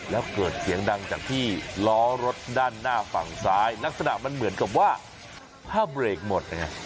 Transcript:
แล้วเกิดเสียงดังจากที่ล้อรถด้านหน้าฝั่งซ้ายลักษณะมันเหมือนกับว่าถ้าเบรกหมดเนี่ย